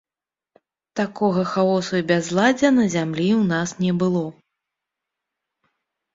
Такога хаосу і бязладдзя на зямлі ў нас не было!